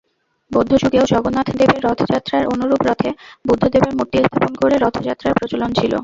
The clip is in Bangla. বৌদ্ধযুগেও জগন্নাথদেবের রথযাত্রার অনুরূপ রথে বুদ্ধদেবের মূর্তি স্থাপন করে রথযাত্রার প্রচলন ছিল।